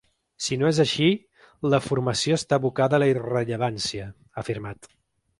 Si no és així, la formació està abocada a la irrellevància, ha afirmat.